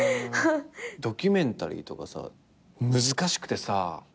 ドキュメンタリーとか難しくてさ。